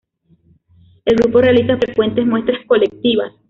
El grupo realiza frecuentes muestras colectivas.